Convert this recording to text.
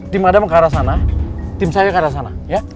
tim adam ke arah sana tim saya ke arah sana ya